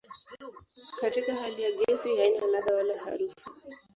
Katika hali ya gesi haina ladha wala harufu.